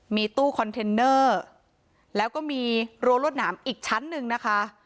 มีตู้คอนเทนเนอร์แล้วก็มีรั้วรวดหนามอีกชั้นหนึ่งนะคะ